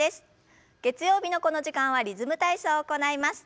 月曜日のこの時間はリズム体操を行います。